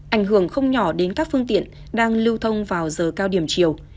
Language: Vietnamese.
ảnh hưởng không nhỏ đến các phương tiện đang lưu thông vào giờ cao điểm chiều